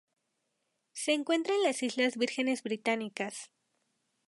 Se encuentra en las Islas Vírgenes Británicas.